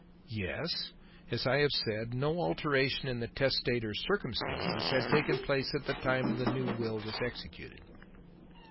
"Yes. As I have said, no alteration in the testator's circumstances had taken place at the time the new will was executed.